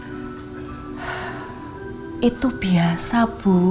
tapi aku gak bisa berpikir pikir sama bu